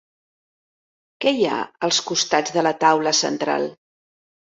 Què hi ha als costats de la taula central?